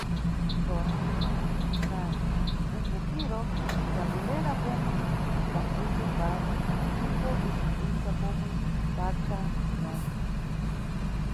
Tsono, na mkhumbukiro idabwerera pomwe pa mbuto pale ndipo icibvunza pomwe papsa nyanyi.